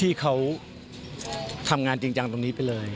ที่เขาทำงานจริงจังตรงนี้ไปเลย